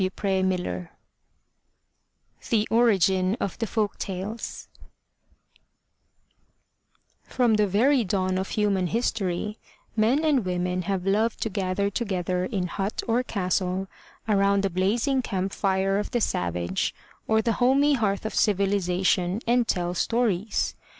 177 M Y BOOK HOUSE THE ORIGIN OF THE FOLK TALES From the very dawn of human history, men and women have loved to gather together in hut or castle, around the blazing camp fire of the savage, or the homey hearth of civilization, and tell stories.